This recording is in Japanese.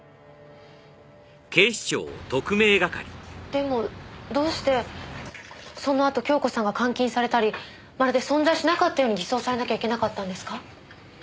でもどうしてそのあと京子さんが監禁されたりまるで存在しなかったように偽装されなきゃいけなかったんですか？